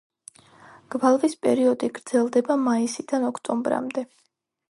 გვალვის პერიოდი გრძელდება მაისიდან ოქტომბრამდე.